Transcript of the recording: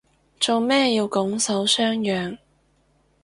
做咩要拱手相讓